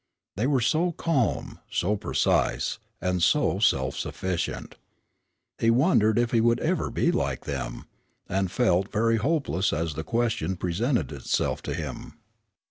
They were so calm, so precise, and so self sufficient. He wondered if he would ever be like them, and felt very hopeless as the question presented itself to him.